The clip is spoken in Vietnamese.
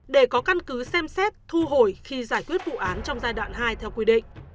để có căn cứ xem xét thu hồi khi giải quyết vụ án trong giai đoạn hai theo quy định